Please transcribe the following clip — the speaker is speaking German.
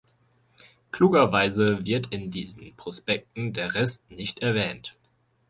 Klugerweise wird in diesen Prospekten der Rest nicht erwähnt.